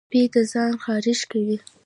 سپي د ځان خارش کوي.